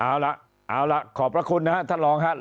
เอาล่ะเอาล่ะขอบพระคุณนะครับท่านรองฮะ